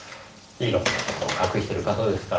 色んな事を隠してる方ですからねぇ。